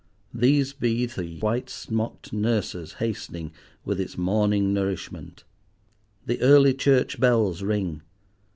These be the white smocked nurses hastening with its morning nourishment. The early church bells ring.